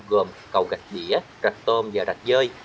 gồm cầu gạch dĩa rạch tôm và rạch dơi